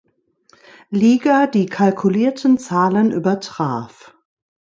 Liga die kalkulierten Zahlen übertraf.